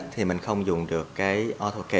thì mình không dùng được cái auto k